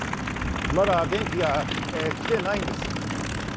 まだ電気が来てないんです。